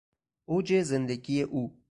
اوج زندگی او